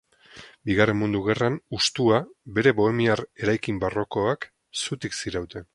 Bigarren Mundu Gerran hustua, bere bohemiar eraikin barrokoak zutik zirauten.